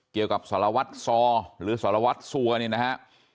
เกี่ยวกับสารวัฒน์ซอหรือสารวัฒน์ซัวร์นี่นะฮะ